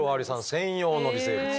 専用の微生物。